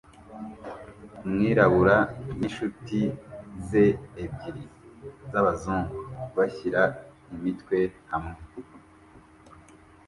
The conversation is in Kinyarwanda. Umwirabura n'inshuti ze ebyiri z'abazungu bashyira imitwe hamwe